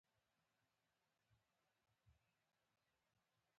زه همت له لاسه نه ورکوم.